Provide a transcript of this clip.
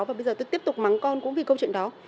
và bây giờ tôi tiếp tục mắng con cũng vì câu chuyện đó